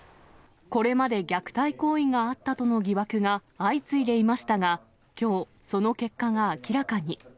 これまで虐待行為があったとの疑惑が相次いでいましたが、きょう、その結果が明らかに。